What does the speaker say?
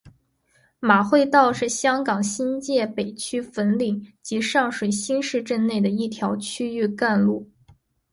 马会道是香港新界北区粉岭及上水新市镇内的一条区域干路。